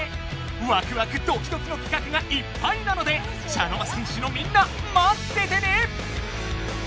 ワクワクドキドキの企画がいっぱいなので茶の間戦士のみんなまっててね！